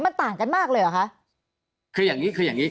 มันต่างกันมากเลยเหรอคะ